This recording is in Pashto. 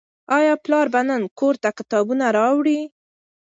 آیا پلار به نن کور ته کتابونه راوړي؟